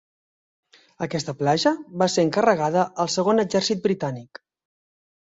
Aquesta platja va ser encarregada al Segon exèrcit britànic.